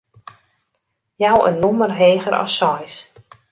Jou in nûmer heger as seis.